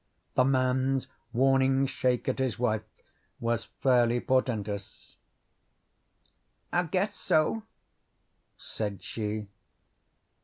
The man's warning shake at his wife was fairly portentous. "I guess so," said she.